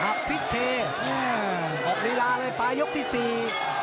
ปลายยกที่สี่จากเมื่อที่สี่